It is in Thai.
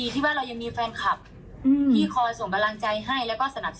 สนับสนุนแพรวพาวิบันฟินแลนด์